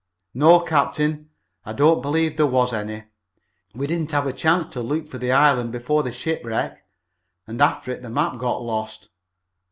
"No, captain. I don't believe there was any. We didn't have a chance to look for the island before the shipwreck, and after it the map got lost."